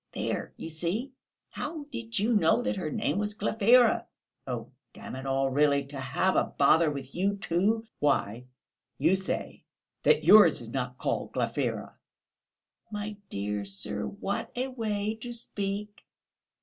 "There, you see! How did you know that her name was Glafira?" "Oh, damn it all, really! To have a bother with you, too! Why, you say that yours is not called Glafira!..." "My dear sir, what a way to speak!"